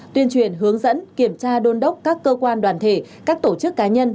tuyên truyền hướng dẫn kiểm tra đôn đốc các cơ quan đoàn thể các tổ chức cá nhân